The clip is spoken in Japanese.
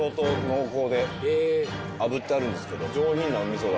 炙ってあるんですけど。